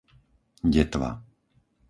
Detva